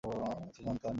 কিচ্ছু জানতাম না।